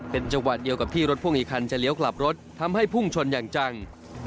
เป็นจังหวะเดียวกับที่รถพ่วงอีกคันจะเลี้ยวกลับรถทำให้พุ่งชนอย่างจัง